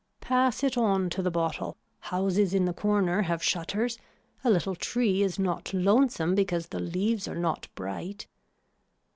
Pass it on to the bottle, houses in the corner have shutters, a little tree is not lonesome because the leaves are not bright.